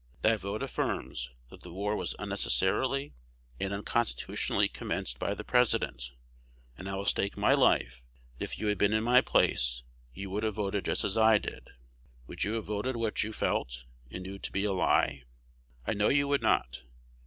That vote affirms, that the war was unnecessarily and unconstitutionally commenced by the President; and I will stake my life, that, if you had been in my place, you would have voted just as I did. Would you have voted what you felt and knew to be a lie? I know you would not.